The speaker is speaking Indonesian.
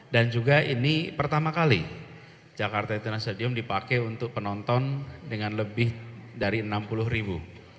dan juga ini pertama kali jakarta international stadium dipakai untuk penonton dengan lebih dari enam puluh ribu